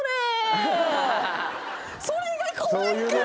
それが怖いから。